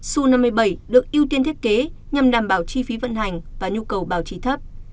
su năm mươi bảy được ưu tiên thiết kế nhằm đảm bảo chi phí vận hành và nhu cầu bảo trì thấp